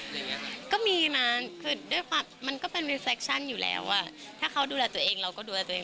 อย่างเงี้ยก็มีนะคือด้วยความมันก็เป็นรีเซคชั่นอยู่แล้วอ่ะถ้าเขาดูแลตัวเองเราก็ดูแลตัวเอง